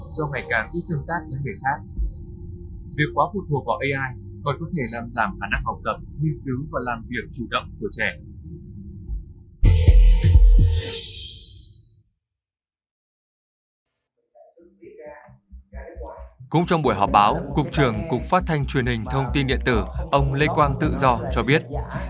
cục trưởng cục phát thanh truyền hình thông tin điện tử ông lê quang tự do cho biết